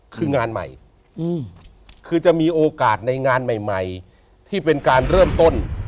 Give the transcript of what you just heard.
คืองานใหม่คือจะมีโอกาสในงานใหม่ที่เป็นการเริ่มต้น